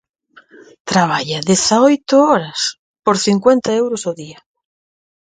Traballa dezaoito horas por cincuenta euros ao día.